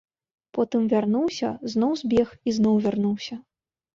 Потым вярнуўся, зноў збег і зноў вярнуўся.